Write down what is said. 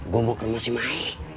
gue mau ke rumah si mai